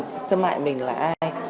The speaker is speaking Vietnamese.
xâm hại mình là ai